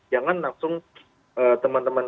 jangan langsung teman teman